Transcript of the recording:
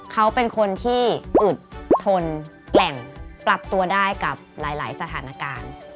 เขาเป็นคนที่อึดทนแกร่งปรับตัวได้กับหลายสถานการณ์